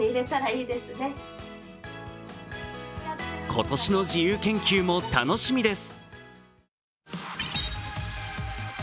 今年の自由研究も楽しみです。